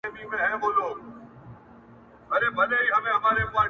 خوبيا هم ستا خبري پټي ساتي;